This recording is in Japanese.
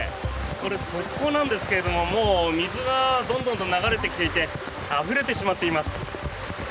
これ、側溝なんですが、もう水がどんどんと流れてきていてあふれてしまっています。